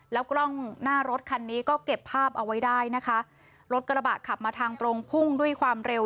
แล้วกล้องหน้ารถคันนี้ก็เก็บภาพเอาไว้ได้นะคะรถกระบะขับมาทางตรงพุ่งด้วยความเร็ว